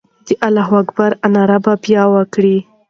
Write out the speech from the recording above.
د الله اکبر ناره به بیا کېږي.